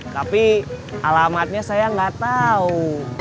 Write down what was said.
tapi alamatnya saya gak tau